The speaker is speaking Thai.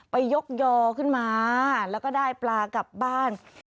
ยกยอขึ้นมาแล้วก็ได้ปลากลับบ้าน